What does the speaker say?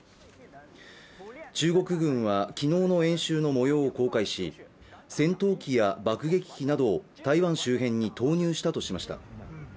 中国軍は昨日の演習の模様を公開し、戦闘機や爆撃機などを台湾周辺に投入したとしました。